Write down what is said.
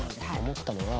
思ったのは。